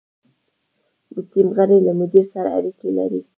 د ټیم غړي له مدیر سره اړیکې لري.